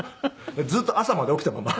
ずっと朝まで起きたまま。